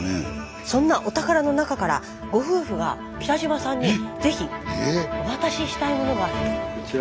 そんなお宝の中からご夫婦が北島さんに是非お渡ししたいものがあると。